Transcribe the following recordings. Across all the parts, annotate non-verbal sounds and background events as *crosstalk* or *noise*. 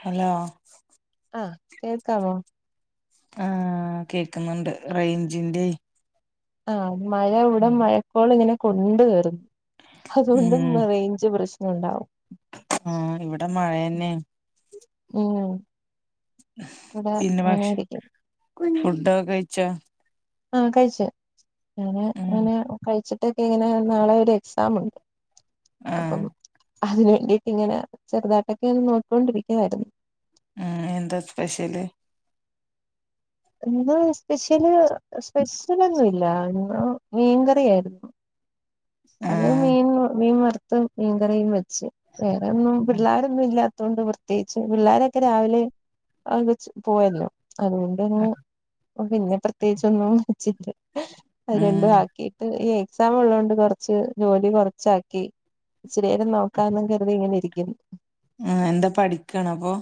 Hello ആ കേൾക്കാമോ ആ കേക്കുന്നുണ്ട് റൈഞ്ചിന്റെ ആ മഴ ഇവിടെ മഴക്കോൾ ഇങ്ങനെ കൊണ്ട് കേറുന്നു അതുകൊണ്ടും റൈഞ്ച് പ്രശ്നം ഉണ്ടാവും ആ ഇവിടെ മഴന്നെ ഉം പിന്നെ ഭക്ഷ *unintelligible* ഫുഡൊക്കെ കഴിച്ചോ ആ കഴിച്ചു അ ഉം അങ്ങനെ കഴിച്ചിട്ടൊക്കെ ഇങ്ങനെ നാളെ ഒരു എക്സാമുണ്ട് ആ അതിന് വേണ്ടിട്ട് ഇങ്ങനെ ചെറുതായിട്ടൊക്കെെ നോക്കികൊണ്ടിരിക്കുവായിരുന്നു ഉം എന്താ സ്പെഷ്യല് ഇന്ന് സ്പെഷ്യല് സ്പെഷ്യലൊന്നുല്ല ഇന്ന് മീൻകറിയായിരുന്നു അത് ആഹ് മീൻ മീൻ വറുത്തും മീൻകറിയും വെച്ച് വേറെ ഒന്നും പിള്ളോരൊന്നും ഇല്ലാത്ത തോണ്ട് പ്രത്യേകിച്ച് പിള്ളോരൊക്കെ രാവിലെ പോയല്ലോ അതുകൊണ്ട് പിന്നെ പ്രത്യേകിച്ച് ഒന്നും വെച്ചില്ല അത് രണ്ടും ഉം ആക്കിട്ട് ഈ എക്സാം ഉള്ളോണ്ട് കൊറ ച്ച് ജോലി കുറച്ചാക്കി ഇച്ചിരി നേരം നോക്കാന്നു കരുതി ഇങ്ങനെ ഇരിക്ക ആ എന്താ പഠിക്കാണോ അപ്പൊ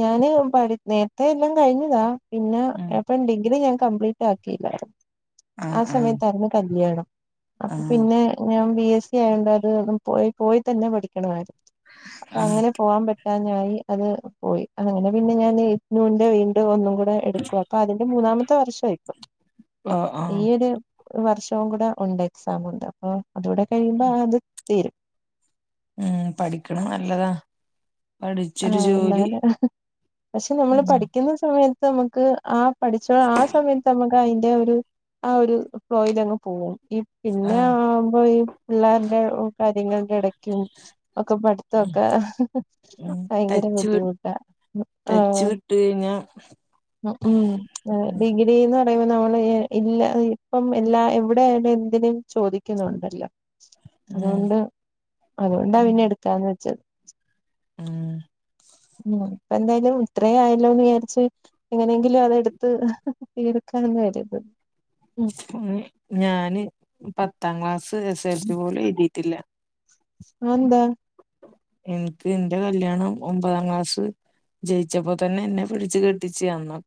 ഞാന് പഠ നേരത്തെ എല്ലാം കഴിഞ്ഞതാ പിന്നെ ഉം പ്പം ഡ്രിഗ്രി ഞ കപ്ലീറ്റ് ആക്കിയില്ലായിരുന്നു ആ ആഹ് ആഹ് സമയത്തായിരുന്നു കല്യാണം അപ്പൊ ആഹ് പിന്നെ ഞാൻ ബി എസ് സി ആയതു കൊണ്ട് അത് പോയി പോയി തന്നെ പഠിക്കണമായിരുന്നു അപ്പൊ ആഹ് അങ്ങനെ പോകൻ പറ്റ യി അത് പോയി അങ്ങനെ പിന്നെ ഞാൻ *unintelligible* വിന്റെ വീണ്ടും ഒന്നും ടുക്ക അപ്പൊ അതിന്റെ മൂന്നാമത്തെ വർഷായി ആ ആ വർഷവും കൂടെ ഉണ്ട് എക്സാമ് ഉണ്ട് അപ്പൊ അതുകൂടെ കഴിയുമ്പോ അത് തീരും ഉം പഠിക്കണ നല്ലതാ പഠിച്ചൊരു ആഹ് ഒന്ന ജോലി പക്ഷെ നമ്മള് ഉം പഠിക്കുന്ന സമയത്ത് നമുക്ക് ആ പഠിച്ച ആ സമയത്ത് നമുക്ക് അയ്ന്റെ ഒരു ആ ഒരു ഫ്ലോയിൽ അങ്ങ് പോകും ഈ പിന്നെ ആഹ് ആവുമ്പോ ഈ പിള്ളേരുടെ കാര്യങ്ങളുടെ ഇടക്ക് ഒക്കെ ഉം പഠിത്തൊക്കെ ഹ ഹ് ഉം ഹഭയങ്കര ടച്ച് ബുദ്ധിമുട്ടാ ആ ടച്ച് വിട്ട് കഴിഞ്ഞാ ഉം ഉം ഡിഗ്രി ന്ന് പറയുമ്പം നമ്മൾ ഇല്ല ഇപ്പം എല്ലാ എവിടെയാണങ്കിലും എന്തിനും ചോദിക്കുന്നുണ്ടല്ലോ? ഉം അതുകൊണ്ട് അതുകൊണ്ടാ ഉം പിന്നെ എടുക്കാന്ന് വെച്ചത്. ഉം ഉം അപ്പം. എന്തായാലും ഇത്രം ആയല്ലോന്ന് വിചാരിച്ച് എങ്ങനെങ്കിലും അതെടുത്ത് തീർക്കാന്ന് ഒര്ത് മ് ഞാന് പത്താം ക്ലാസ് എസ് എൽ സി പോലും എഴുതിയിട്ടില്ല അഹന്താ? ഇൻക് ഇന്റെ കല്യാണം ഒമ്പതാം ക്ലാസ് - - ജയിച്ചപ്പോ തന്നെ എന്നെ പിടിച്ച് കെട്ടിച്ചു അന്നോ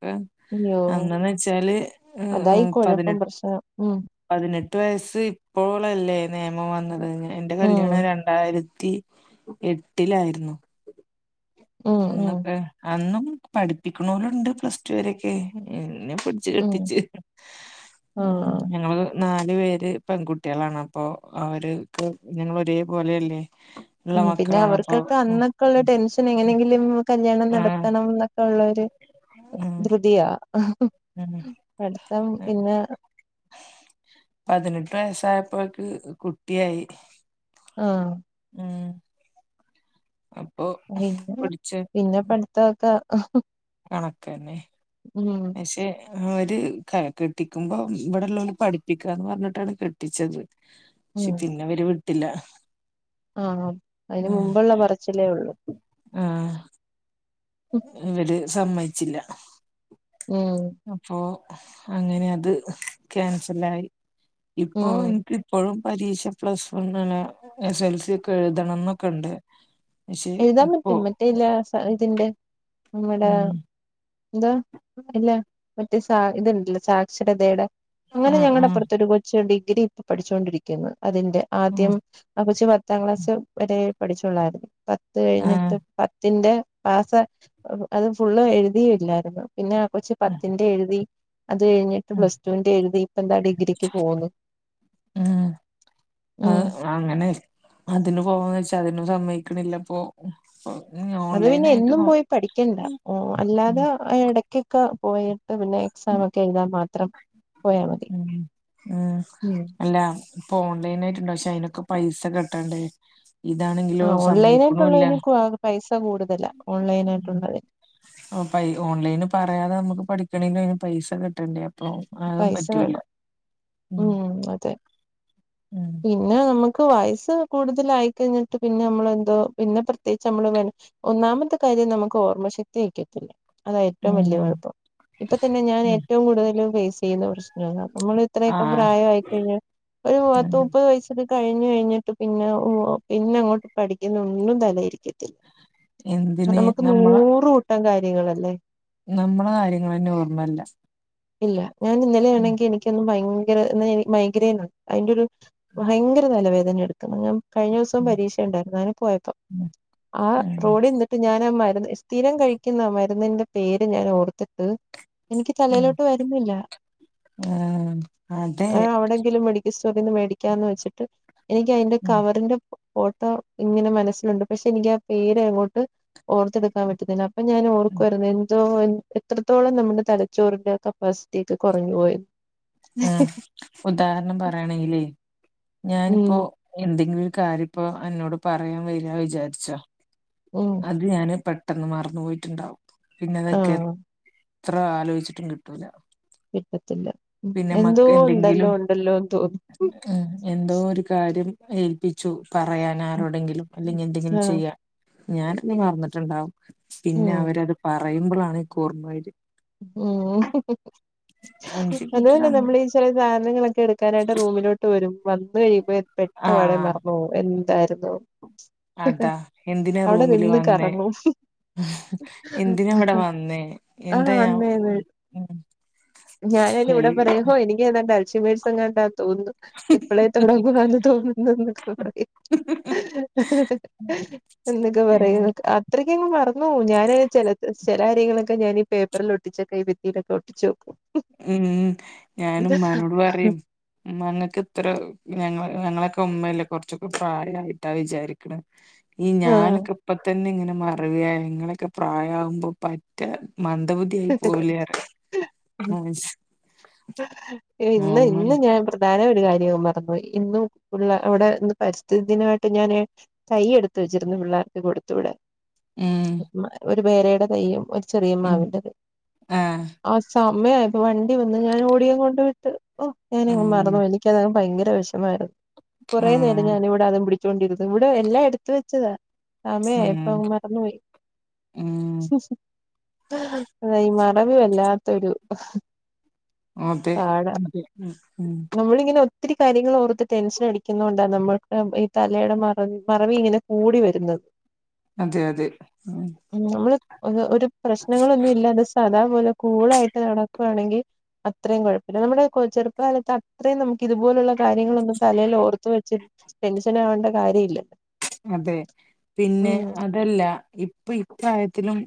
അയ്യോ അന്ന് ന്ന് വെച്ചാല് അതായി കുഴപ്പം പതിനെട്ട് പ്രശ്നം ഉം പതിനെ ട്ട് വയസ്സ് ഇപ്പോളല്ലേ നിയമം വന്നത് എന്റെ ഉം കല്യാണം രണ്ടായിരത്തി എട്ടിലായിരുന്നു. ഉം ഉം അന്നൊക്കെ?, അന്നും പഠിപ്പിക്കണോലും ണ്ട് പ്ലസ് ടു വരെ ഒക്കെ ഇന്ന് *inaudible* ഉം ആഹ് *unintelligible* ഞങ്ങള് *unintelligible* നാല്‌പേര് പെൺകുട്ടികളാണ്, അപ്പൊ അവര്ക്ക് ഞങ്ങള് ഒരേ പോലെയല്ലേ? ഉള്ള ഉം. പിന്നെ മക്കളാണ് അപ്പൊ അവർക്കൊക്കെ അന്നൊക്കെ ഉള്ള ടെൻഷൻ എങ്ങനെങ്കിലും കല്യാണം ആഹ് നടത്തണം എന്നൊക്കെ ഉള്ള ഒര് ഉം ധൃതിയാ. ഉം പഠത്തം പിന്നെ പതിനെട്ട് വയസായപ്പോക്ക് കുട്ടിയായി ആ ഉം. അപ്പൊ പിന്നെ, പിടിച്ച് പിന്നെ പഠത്തൊക്കെ കണക്കെന്നെ ഉം. *unintelligible* ഓര് കെട്ടിക്കുമ്പോ ഇവിടെ ഉള്ളോർ പഠിപ്പിക്കാന്ന് പറഞ്ഞിട്ടാണ് കെട്ടിച്ചത്. പക്ഷെ, പിന്നെവര് വിട്ടില്ല. ആ ആ, അയിന് മുമ്പുള്ള പറച്ചിലേ ഉള്ളൂ ആാാ. ഇവര് സമ്മേയ്ച്ചില്ല ഉം അപ്പോൊ അങ്ങനെ അത് ക്യാൻസൽ ആയി. ഇപ്പോ ഉം എനിക്ക്പ്പഴും പരീക്ഷ പ്ലസ് വൺ അല്ല, എസ് എൽ സി ഒക്കെ എഴുതണം ന്നൊക്കെ ഉണ്ട്. പക്ഷെ എഴുതാൻ ഇപ്പോ പറ്റും മറ്റേല്ലേ? ഇതിന്റെ നമ്മടെ ഉം *inaudible* എന്താ? ഇല്ല. മറ്റേ സ ഇത്ണ്ടല്ലോ, സാക്ഷരതയുടെ *inaudible* അങ്ങനെ ആഹ് ഞങ്ങളുടെ ആഹ് അപ്പുറത്ത ഒരു കൊച്ച് ഡിഗ്രി ഇപ്പൊ പേടിച്ചോണ്ടിരിക്കുന്നു. അതിന്റെ. ഉം ആദ്യം ആ കൊച്ച് പത്താം ക്ലാസ് വരെ പഠിച്ചുള്ളായിരുന്നു. പത്ത് ആഹ് കഴിഞ്ഞിട്ട്, പത്തിന്റെ പാസ. അത് ഫുള്ള് എഴുതില്ലായിരുന്നു. പിന്നെ ആ കൊച്ച് ഉം പത്തിന്റെ എഴുതി. അത് കഴിഞ്ഞിട്ട് ഉം പ്ലസ് ടുവിന്റെ എഴുതി. ഇപ്പം താ ഡിഗ്രിക്ക് പോകുന്നു. *unintelligible* അ ഉം അങ്ങനെ അതിന് പോകന്ന് വെച്ചാ - *inaudible* ഒന്നും സമ്മയിക്കണില്ലപ്പൊ അത് പിന്നെ എന്നും പോയി പഠിക്കണ്ട. ഉം ഓ അല്ലാതെ ഇടക്കൊക്കെ പോയി *inaudible* ഇപ്പൊ പിന്നെ ഉം എക്സാം ഒക്കെ എഴുതാൽ മാത്രം പോയാ മതി. ഉം മ്മ്. അല്ല ഇപ്പൊ ഓൺലൈൻ ആയിട്ടുണ്ട്. പക്ഷെ, അയിനൊക്കെ പൈസ കെട്ടണ്ടേ? ഇതാണെങ്കിലോ ആ ഓൺലൈന സമ്മയിക്കണൂല്ല ആയിട്ടുള്ളതിന് പൈസ കൂടുതലാ, ഓൺലൈനായിട്ടുള്ളതിന്. *unintelligible* ഓൺലൈന് പറയാതെ നമുക്ക് പഠിക്കണെങ്കിലും അയിന് പൈസ കെട്ടണ്ടേ? ഉം ആതും പൈസ പറ്റൂല. വേണം ഉം *unintelligible* അതെ ഉം പിന്നെ നമ്മക്ക് *inaudible* ക്ക് വയസ്സ് കൂടുതലായിക്കഴിഞ്ഞിട്ട് പിന്നെ നമ്മളെന്തോ, പിന്നെ പ്രത്യേകിച്ച് നമ്മൾ,, ഒന്നാമത്തെ കാര്യം *inaudible* *unintelligible* നമുക്ക് ഓർമ്മശക്തി വെയ്ക്കത്തില്ല. അതാ ഏറ്റവും വലിയ ഉം കൊഴപ്പം. ഇപ്പത്തന്നെ ഞാൻ ഉം ഏറ്റവും കൂടുതല് ഫേസെയ്യുന്ന പ്രശ്നതാണ്. നമ്മള് ഇത്രയൊക്കെ ആഹ് പ്രായായിക്കഴിഞ്ഞാൽ, ഒരു പത്ത് ഉം മുപ്പത് വയസില് *inaudible* കഴിഞ്ഞു കഴിഞ്ഞിട്ട് പിന്നെ, പിന്നങ്ങോട്ട് പഠിക്കുന്ന ഒന്നും തലയിലിരിക്കത്തില്ല. എന്തിന് നമുക്ക് നൂറ്കൂട്ടം കാര്യങ്ങളല്ലേ? നമ്മളെകാര്യങ്ങളെന്നോർമ്മല്ല. ഇല്ല. ഞാനിന്നലെയാണെങ്കി എനിക്കെന്നും ഭയങ്കര *inaudible* ങ്കര എന്നാ എനി മൈഗ്രെയിനുണ്ട്. അയിന്റൊരു ഭയങ്കര തലവേദന എടുക്കണ്. ഞാൻ *inaudible* കഴിഞ്ഞ ദിവസം ഉം പരീക്ഷണ്ടായിരുന്നു. അയിന് പോയപ്പൊ, ഉം ആ ഉം റോഡി നിന്നിട്ട് ഞാനാ മ *inaudible* *unintelligible* സ്ഥിരം കഴിക്കുന്ന മരുന്നിന്റെ പേര് ഞാനോർത്തിട്ട് എനിക്ക് ഉം തലയിലോട്ട് *inaudible* *unintelligible* ആഹ് അതെ ആ അവിടെങ്കിലും മെഡിക്കൽ സ്റ്റോർ *inaudible* സ്റ്റോറിന്ന് മേടിക്കാന്ന് വെച്ചിട്ട്, എനിക്കയിന്റെ ഉം കവറിന്റെ *inaudible* ഫോട്ടോ ഇങ്ങനെ മനസ്സിലുണ്ട് പക്ഷെനിക്കാ പേര് അങ്ങോട്ട് ഓർത്തെടുക്കാൻ പറ്റുന്നില്ല അപ്പൊ ഞാൻ ഉം ഓർക്കുവായിരുന്നു എന്തോ എത്രത്തോളം നമ്മുടെ തലച്ചോറിന്റെ കപ്പാസിറ്റിയൊക്കെ കൊറഞ്ഞു പോയിന്ന് ഉം ഉദാഹരണം പറയാണെങ്കിലേ ഉം ഞാനിപ്പൊ എന്തെങ്കിലൊരു കാര്യപ്പൊ അന്നോട് പറയാൻ വരാ വിചാരിച്ചോ ഉം അത് ഞാൻ പെട്ടന്ന് മറന്നുപോയിട്ട്ണ്ടാവും പിന്നതൊക്കെ ആഹ് എത്ര ആലോചിച്ചിട്ടും കിട്ടൂല കിട്ടത്തില്ല പിന്നെ എന്തോ മക്ക ഇണ്ടല്ലോ എന്തെങ്കിലും ഇണ്ടല്ലോന്ന് തോന്നും ഉം എന്തോ ഒരു കാര്യം ഏൽപ്പിച്ചു പറയാൻ ആരോടെങ്കിലും ഇല്ലെങ്കിൽ എന്തെങ്കിലും ആഹ് ചെയ്യാൻ ഞാനെന്തേം മറന്നിട്ടുണ്ടാവും പിന്നെ ഉം അവരത് പറയുമ്പൊളാണ് എനിക്ക് ഓർമ്മ വരിക ഉം ഹ്-ഹ്-ഹ്-ഹ് അഞ്ച് മിനിറ്റ് അതുമല്ല സമയം നമ്മളീ ചെല സാധനങ്ങളൊക്കെടുക്കാനായിട്ട് റൂമിലോട്ട് വരും വന്ന്കഴിയും പെട്ടപാടെ ആഹ് മറന്ന്പോവും എന്തായിരുന്നുന്ന് അതാ എന്തിനാ റൂമില് നിന്ന് വന്നേ കറങ്ങും എന്തിനാഇവിടെ വന്നേ എന്ത്‌ ആഹ് അതെയോ വന്നേന്ന് *inaudible* അൽഷിമേഴ്സെങ്ങാണ്ടാ തോന്നുന്നു ഇപ്പളേ തൊടങ്ങുവാന്ന് തോന്നുന്നുന്നൊക്കെപറയും എന്നൊക്കെപറയാ ഉം അത്രക്ക് ക്കങ്ങ് മറന്ന് പോവും ഞാനങ്ങു ചെലത് ചെല കാര്യങ്ങളൊക്കെ ഞാനീ പേപ്പറിൽ ഒട്ടിച്ചൊക്കെ ഈ ഭിത്തിയിലൊക്കെ ഒട്ടിച്ചുവെക്കും ഉം ഞാനുമ്മാനോട് പറയും ഉമ്മാ ഇങ്ങക്ക്ത്ര ഞങ്ങളെ ഞങ്ങളെയൊക്കെ ഉമ്മയല്ലേ കൊറച്ചൊക്കെ പ്രായായിട്ടാ വിചാരിക്കണ് ഈ ആഹ് ഞാനൊക്കിപ്പൊത്തന്നിങ്ങനെ മറവിയായ നിങ്ങളൊക്കെ പ്രായാവുമ്പൊ പറ്റ മന്ദബുദ്ധി ആയി പോവില്ലെ പറയും ഇന്ന് നോർമൽ ഇന്ന് ഞാൻ പ്രധാന ഒരു കാര്യവും മറന്നുപോയി ഇന്ന് ഉള്ള ഇവിടെ പരിസ്ഥിതിദിനായിട്ട് ഞാന് തയ്യെടുത്ത് വച്ചിരുന്നു പിള്ളേർക്ക് കൊടുത്ത് വിടാൻ ഉം ഒരു പേരയുടെ തയ്യും ഒരു ചെറിയ ഉം മാവിന്റെ തെയ്യും ആഹ് ആ സമയായപ്പൊ വണ്ടി വന്ന് ഞാൻ ഓടിയാ കൊണ്ട് വിട്ട് ഓ ഞാനങ്ങു ഉം മറന്നു എനിക്കതങ്ങ് ഭയങ്കര വെഷമായിരുന്നു കുറേ നേരം ആഹ് ഞാനിവിടെ അതും പിടി ച്ചോണ്ടിരുന്നു ഇവിടെ എല്ലാം എടുത്ത് വെച്ചതാ സമയായപ്പങ്ങു ഉം മറന്നുപോയി ഉം അതാ ഈ മറവി വല്ലാത്തൊരു അതെ *unintelligible* നമ്മളിങ്ങനൊ ത്തിരി കാര്യങ്ങളോർത്ത് ടെൻഷൻ അടിക്കുന്നകൊണ്ടാ നമ്മൾക്ക് ഈ തലയുടെ മറ മറവി ഇങ്ങനെ കൂടി വരുന്നത് അതെയതെ ഉ നമ്മള് ഒരു പ്രശ്നങ്ങളൊന്നും ഇല്ലാതെ സാദാപോലെ കൂളായിട്ട് നട ണെങ്കിൽ അത്ര കുഴപ്പമില്ല നമ്മുടെ ചെറുപ്പകാലത്ത് അത്രയും നമുക്ക് ഇതുപോലുള്ള കാര്യങ്ങളൊ തലയിൽ ഓർത്ത് വെച്ച് ടെൻഷനാകേണ്ട കാര്യം ഇല്ലല്ലോ അതെ പിന്നെ അതല്ല ഇപ്പൊ ഇപ്രായത്തിലും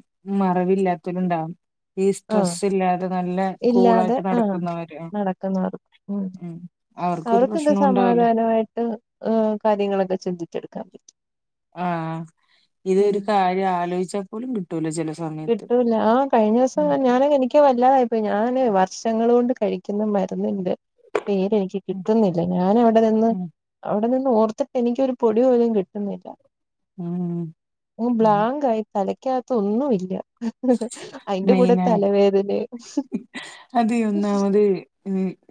മറവില്ലാത്തലും ഉണ്ടാവും ഈ ആഹ് സ്ട്രെസ്സ് ഇല്ലാതെ നല്ല ഇല്ലാതെ കൂളായിട്ട് ആഹ് നടക്കുന്നവരൊ നടക്കുന്നവർക്ക് ഉം അവർക്കൊക്കെ സമാധാനമായിട്ട് കാര്യങ്ങളൊക്കെ ചിന്തിച്ചെടുക്കാൻ പറ്റും ആഹ ഇത് ഉം ഒരു കാര്യം ആലോചിച്ചാൽ പോലും കിട്ടൂലോ ചില സമയത്ത് കിട്ടൂല്ല ആ കഴിഞ്ഞ ഉം ദിവസം ഞാൻ എനിക്ക് വല്ലാതായിപ്പോയി ഞാന് വർഷങ്ങൾ കൊണ്ട് കഴിക്കുന്ന മരുന്നുണ്ട് പേര് എനിക്ക് ഉം കിട്ടുന്നില്ല ഞാൻ അവിടെ നിന്ന് ഉം അവിടെ നിന്ന് ഓർത്തിട്ട് എനിക്കൊരു പൊടി പോലും കിട്ടുന്നില്ല ഉം ഉം ബ്ലാങ്ക് ആയി തല ലക്കകത്ത് ഒന്നുമില്ല അതിന്റെ കൂടെ തലവേദനയും അത ഒന്നാമത്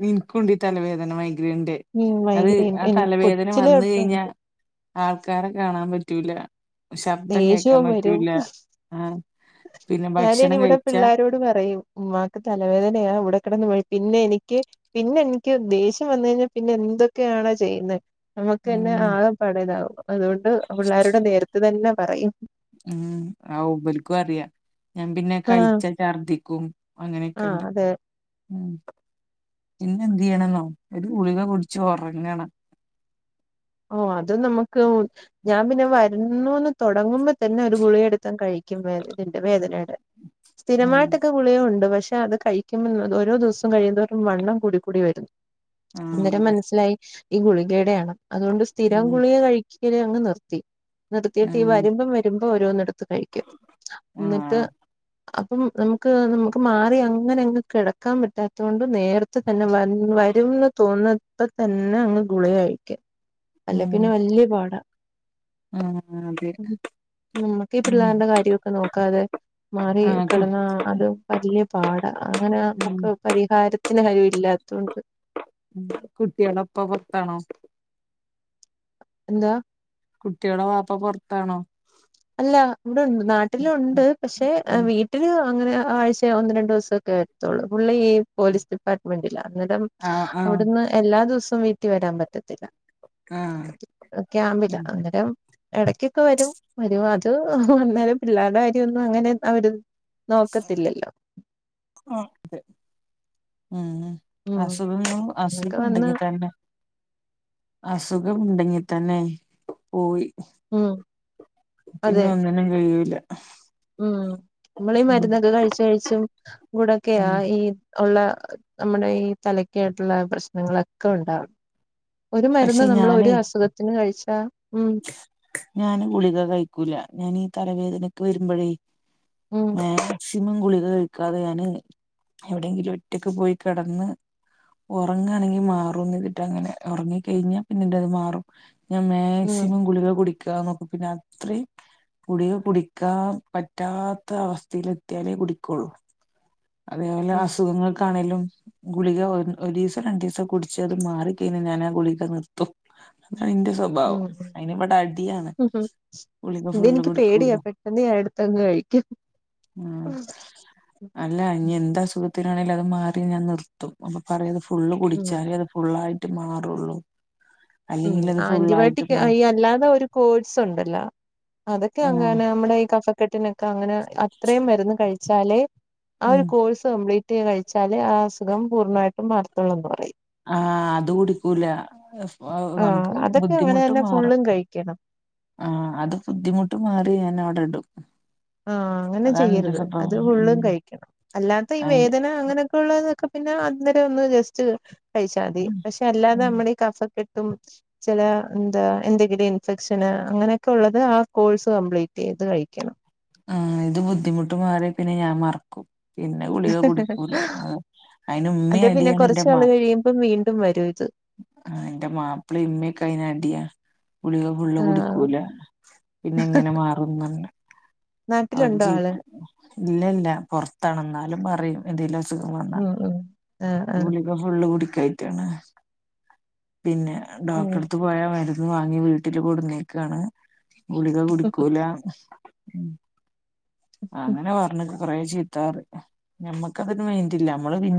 എനക്കും ഉണ്ടീ തലവേദന മയി ണ്ട് ഉം അത് മൈഗ്രേൻ ആ എനിക്ക് തലവേദന കൊച്ചിലെ വന്ന കഴിഞ്ഞാ തൊട്ടുണ്ട് ആൾക്കാർ കാണാൻ പറ്റൂല ശബ്ദം കേക്കാൻ പറ്റൂല ആഹ ഞാന് ഇനി ഇവിടെ പിള്ളോരോട് പറയും ഉമ്മാ ക് തലവേദനയാ ഇവിടെ കിടന്നു പോയ് പിന്നെ എനിക്ക് പിന്നെ എനിക്ക് ദേഷ്യം വന്നഴിഞ്ഞാ പിന്നെ എന്തൊക്കെ ആണ് ചെയ്യുന്ന നമക്ക്ന്നെ ഉം ആകെ പെടലാവും അതുകൊണ്ട് പിള്ളേരുടെ നേരത്ത് തന്നെ പറയും ഉം ആഉ ബൽക്കു അറിയാ ഞാൻ പിന്നെ ആഹ് കഴിച്ച ഛർദിക്കും ആഹ് അങ്ങനെയൊക്കെണ്ട് അതെ ഉം പിന്നെ എന്ത്യ്യണെന്നോ ഒരു ഗുളിക കുടിച്ച് ഉറങ്ങണം ഓഹ് അത് നമുക്ക് ഞാൻ പിന്നെ വരുന്നുന്ന് തുടങ്ങുമ്പോ തന്നെ ഒരു ഗുളിയെടുത്തൻ കഴിക്കും വേ ഇതിന്റെ വേദനയുടെ ഉം സ്ഥിരമായിട്ടൊക്കെ ഗുളിയുണ്ട് പഷ് ക്ഷെ അത് കഴിക്കുമ്പോന്ന ഓരോ ദിവസം കയിയും തോറും വണ്ണം കൂടി കൂടി വരുന്നു അന്നേരം ആഹ് മനസ്സിലായി ഈ ഗുളികടെയാണ് അതുകൊണ്ട് സ്ഥിരം ഉം ഗുളിക കഴിക്കും തീരെ അങ് നിർത്തി നിർത്തിയിട്ട് ഈ ഉം വരുമ്പം വരുമ്പോ ഓരോന്നട് ത്ത്കഴിക്കും എന്നിട്ട് ആഹ് അപ്പം നമുക്ക് നമുക്ക് മാറി അങ്ങനെ അങ്ങ് കെടക്കാൻ പറ്റാത്തോണ്ട് നേര പ്പത്തന്നെ വന്ന് വരുംന്ന് തോന്നപ്പത്തന്നെ അങ്ങ് ഗുളിക കഴിക്കും അല്ല ഉം പിന്നെ വല്ല്യ പാടാ ആഹ് അതെ നമ്മക്ക് ഈ ഉം പിള്ളേര്ടെ കാര്യഒക്കെ നോക്കാതെ മാറി ആഹ് കു കെടന്നാ അത് വല്ല്യ പാടാ അങ്ങനെ ഉം നമുക്ക് പരിഹാരത്തി പിന്നെ കഴിവില്ലാത്തോണ്ട് കുട്ട്യേളപ്പ പൊർത്താണോ എന്താ കുട്ട്യാളെവാപ്പ പൊർത്താണോ അല്ല ഇവിട്ണ്ട് നാട്ടിലുണ്ട് പക്ഷെ ഉം വീട്ടില് അങ്ങനെ ആഴ്ചെ ഒന്ന് രണ്ട് ദീസം ഒക്കെ എത്തുള്ളൂ ള്ള ഈ പോലീസ് ഡിപ്പാർട്ട്മെന്റിലാ അന്നരം ആഹ് ആഹ് അവിട്ന്ന് എല്ലാ ദൂസോം വീട്ടിൽ വരാൻ പറ്റ് ത്തില്ല ആഹ് *inaudible* ക്യാമ്പിലാ ഉം അന്നേരം എടക്കൊക്കെ വരും വരുവാ അത് വന്നേരം പിള്ളേര്ടെ കാര്യെന്നും അങ്ങനെ അവര് നോക്കത്തില്ലല്ലോ ആഹ് ഉം അസുഖങ്ങളും അങ്ങനൊക്കെ വന്ന് അസുഖണ്ടെങ്കി തന്നെ അസുഖമുണ്ടെങ്കി തന്നെ പോയി ഉം പിന്നെ അതെ ഒന്നിനും കയ്യൂല ഉം നമ്മള് ഈ മരുന്നൊക്കെ കഴിച്ച് കഴിച്ചും ഉം കൂടക്കെയാഈ ഉള്ള നമ്മുടെ ഈ തലക്കായിട്ടുള്ള പ്രശ്നങ്ങളൊക്കെ ഉണ്ടാവും ഒരു മരുന്ന് പക്ഷെ നമ്മള് ഒരു ഞാനേ അസുഖത്തിന് കഴിച്ചാ ഉം ഞാന് ഗുളിക കഴിക്കൂല ഞാനീ തലവേദനക്കെ വരുമ്പഴേ ഉം ഏഹ് മാക്സിമം ഗുളിക കഴിക്കാതെ ഞാന് എവിടെയങ്കിലും ഒറ്റക്ക പോയി കിടന്ന് ഉറങ്ങാണെങ്കി മാറും എന്ന്തിട്ട അങ്ങനെ ഉറങ്ങി കഴിഞ്ഞാ പിന്നെ ഇന്റെത് മാറും ഞാൻ ഉം മാക്സിമം ഗുളിക കുടിക്കാതെ നോക്കും പിന്നെ അത്രിം ഗുളിക കുടിക്കാൻ പറ്റാത്ത അവസ്ഥയിലെത്തിയാലേ കുടിക്കെള്ളു അതേപോലെ ഉം അസുഖങ്ങൾക്ക് ണേലും ഗുളിക ഒരീസം രണ്ടീസം കുടിച്ച് അത് മാറിക്കഴിഞ്ഞൽ ഞാൻ ആ ഗുളിക നിർത്തും അയിന്റെ ഉം സ്വഭാവം ഇയ്നിവിടെ അടിയാണ് ഉം ഉം ഗുളിക ഫുള്ള് ഇതെനിക്ക് കുടിക്കൂല പേടിയാ പെട്ടെന്ന് ഞാൻ എടുത്തങ്ങ് കഴിക്കും. ഉം നല്ല അ ഇനി എന്ത്സുഖത്തിനാണേലും അത് മാറി ഞാൻ നിർത്തും. അപ്പൊ പറയ അത് ഫുൾ ഉം കുടിച്ചാലേ അത് ഫുള്ളായി ട്ട് മാറു ഒള്ളൂ ഉം ആന്റിബയോട്ടിക് ഇ അ അല്ലാതെ ഒരു കോഴ്സ് ഉണ്ടല്ലോ. അതൊക്കെ അങ്ങെ ആഹ് നമ്മടെ ഈ കഫക്കെട്ടിന് ക്കങ്ങനെ അത്രയും മരുന്ന് കഴിച്ചാലേ, ആ ഉം ഒരു കോഴ്സ് കംപ്ലീ റ്റ് കഴിച്ചാല് ആ അസുഖം പൂർണ്ണമായിട്ടും മാറത്തുള്ളൂന്ന് പറയും. ആഹ് അത് കുടിക്കൂല ആഹ് നമുക്ക് അതൊക്കെ അങ്ങനെ ബുദ്ധിമുട്ട് തന്നെ മാറാ ഫുള്ളും കഴിക്കണം. ആഹ് അത് ബുദ്ധിമുട്ട് മാറി ഞാൻ അവിടെ ഇടും ആഹ് അങ്ങനെ അതാണ് എന്റെ ചെയ്യരുത്. അത് സ്വഭാവം ഉം ഫുള്ളും കഴിക്കണം. അല്ലാത്ത ഈ അയിന് വേദന അങ്ങനെയൊക്കെള്ളതൊക്കെ പിന്നെ അന്നേരം ഒന്ന് ജസ്റ്റ് കഴിച്ചാ മതി. ഉം പക്ഷെ അല്ലാതെ ഉം നമ്മള ഈ കഫക്കെ ട്ടും ചില എന്താ എന്തെങ്കിലും ഇൻഫെക്ഷന് അങ്ങനെയൊക്കെള്ളത് ആ കോഴ്സ് കംപ്ലീറ്റ് ചെയ്യ് ത് കഴിക്കണം. ആ ഇത് ബുദ്ധിമുട്ട് മാറി പിന്നെ ഞാൻ മറക്കും. പിന്നെ ഗുളിക കുടിക്കൂല. അ അയിന് അത് ഉമ്മയും പിന്നെ അടിയാണ് കുറച്ച് എന്റെ നാള് ബാപ്പ കഴിയുമ്പം വീണ്ടും വരും ഇത് ആ എന്റെ മാപ്പിള ഇമ്മയക്ക അയിതിനടിയാ ഗളിക ഫുള്ള് ആഹ് കുടിക്കൂല പിന്നെ എങ്ങനെ മാറുന്നത്. നാട്ടിലുണ്ടോ ജ ആള് ഇല്ല ഇല്ല പുറത്തണെന്നാലും പറയും എന്തേലോ അസ. *unintelligible* ഉം ഉം ആഹ് ആഹ് ഗുളിക ഫുള്ള് കുടി. *unintelligible* പിന്നെ ഡോക്ടറെടുത്ത് പോയാ മരു ന്ന് വാങ്ങി വീട്ടില് കൊടുന്നേക്കാണ്. ഗുളിക കുടിക്കൂല ഉം അങ്ങനെ പറഞ്ഞ കൊറെ ചീത്തറയും. ഞമ്മക്കതിന് മൈന്റില്ല നമ്മള് പിന്ന